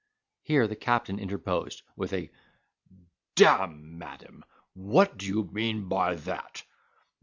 Here the captain interposed, with a "D—e, madam, what do you mean by that?"